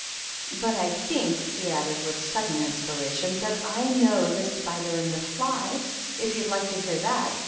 But I think," he added, with sudden inspiration, " that I know the * Slider and the Fly^ if you'd like to hear that.